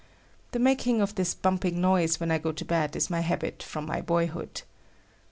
The making of this bumping noise when I go to bed is my habit from my boyhood.